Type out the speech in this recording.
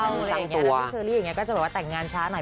แล้วพี่เชอรี่อย่างนี้ก็จะแบบว่าแต่งงานช้าหน่อย